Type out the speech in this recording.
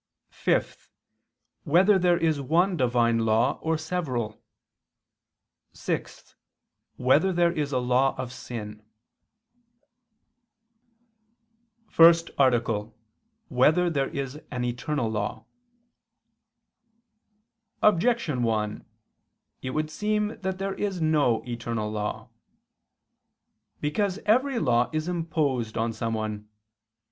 (5) Whether there is one Divine law, or several? (6) Whether there is a law of sin? ________________________ FIRST ARTICLE [I II, Q. 91, Art. 1] Whether There Is an Eternal Law? Objection 1: It would seem that there is no eternal law. Because every law is imposed on someone.